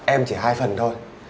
em chỉ hai phần thôi